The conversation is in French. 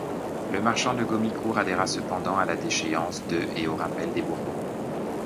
Lemarchant de Gomicourt adhéra cependant à la déchéance de et au rappel des Bourbons.